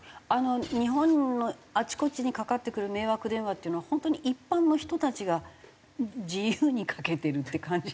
日本のあちこちにかかってくる迷惑電話っていうのは本当に一般の人たちが自由にかけてるっていう感じなんですか？